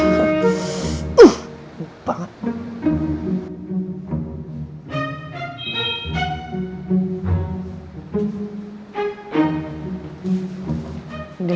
uh buk banget